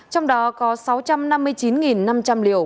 trong đó có sáu trăm năm mươi chín năm trăm linh liều